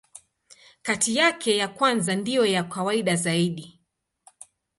Kati yake, ya kwanza ndiyo ya kawaida zaidi.